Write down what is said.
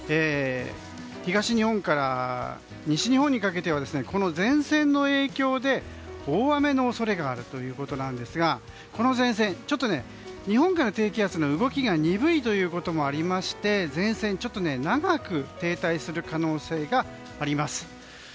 東日本から西日本にかけてはこの前線の影響で大雨の恐れがあるということですがこの前線、日本海からの低気圧の動きが鈍いということもありまして前線が長く停滞する可能性があります。